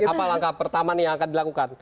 apa langkah pertama nih yang akan dilakukan